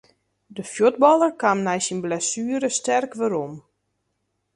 De fuotballer kaam nei syn blessuere sterk werom.